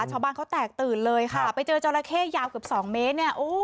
ชาวบ้านเขาแตกตื่นเลยค่ะไปเจอจราเข้ยาวเกือบสองเมตรเนี่ย